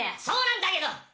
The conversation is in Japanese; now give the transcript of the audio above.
そうなんだけど！